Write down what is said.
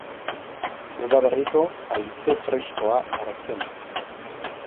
Udaberriko haize freskoa hartzen.